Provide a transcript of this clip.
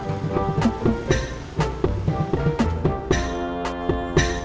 mta maka tidak ada